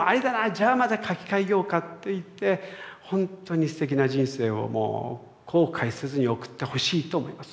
じゃあまた書き換えようかって言って本当にすてきな人生をもう後悔せずに送ってほしいと思います。